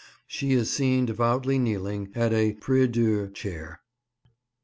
She is seen devoutly kneeling at a prie Dieu chair.